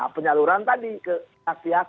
penyaluran tadi ke pihak pihak